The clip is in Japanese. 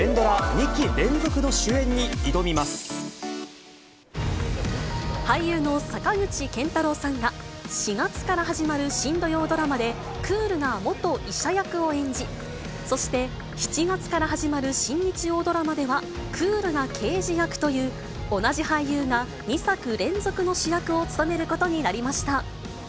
２期連続の主演俳優の坂口健太郎さんが、４月から始まる新土曜ドラマで、クールな元医者役を演じ、そして７月から始まる新日曜ドラマではクールな刑事役という、同じ俳優が２作連続の主役を務めることになりました。